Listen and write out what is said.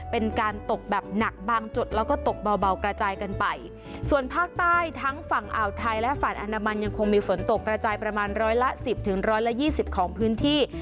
เป็นการตกแบบหนักบางจุดแล้วก็ตกเบากระจายกันไปส่วนภาคใต้ทั้งฝั่งอ่าวไทยและฝั่งอนามันยังคงมีฝนตกกระจายประมาณร้อยละสิบถึงร้อยละยี่สิบของพื้นที่